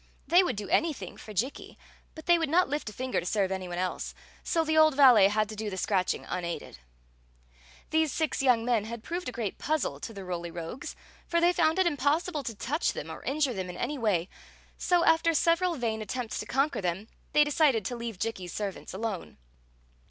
They would do an3rthing for Jikki, but they would not lift a finger to serve any one else ; so the old valet had to do the scratching unaided. These six young men had proved a great puzzle to the Roly Rogues, for diey found it impossiUe to Story of the Magic Cloak touch them or injure them in any way ; so, after sev eral vain attempts to conquer them, they decided to leave Jikki's servants alone.